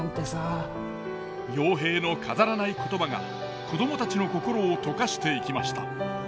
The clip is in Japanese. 陽平の飾らない言葉が子どもたちの心を溶かしていきました。